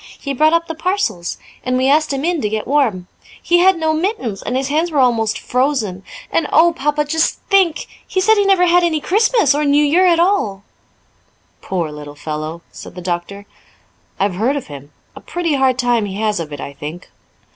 He brought up the parcels, and we asked him in to get warm. He had no mittens, and his hands were almost frozen. And, oh, Papa, just think! he said he never had any Christmas or New Year at all." "Poor little fellow!" said the doctor. "I've heard of him; a pretty hard time he has of it, I think."